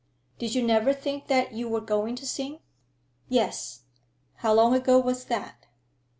"Did you never think that you were going to sing?" "Yes." "How long ago was that?"